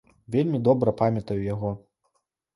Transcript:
Вельмі добра памятаю яго.